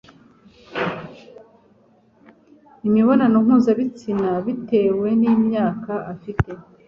imibonano mpuzabitsina bitewe n'imyaka afite.